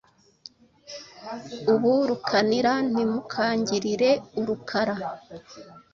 Ubu Rukanira ntimukangirire urukara